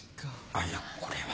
あっいやこれは。